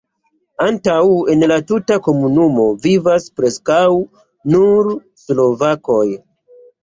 Ankaŭ en la tuta komunumo vivas preskaŭ nur slovakoj.